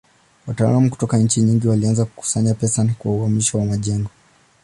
Wataalamu kutoka nchi nyingi walianza kukusanya pesa kwa uhamisho wa majengo.